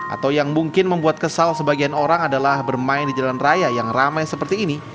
atau yang mungkin membuat kesal sebagian orang adalah bermain di jalan raya yang ramai seperti ini